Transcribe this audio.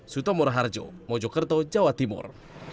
sutomora harjo mojokerto jawa timur